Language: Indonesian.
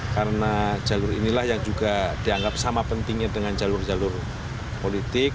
karena jalur inilah yang juga dianggap sama pentingnya dengan jalur jalur politik